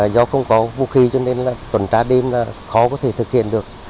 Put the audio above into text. do không có vũ khí cho nên tuần trá đêm khó có thể thực hiện được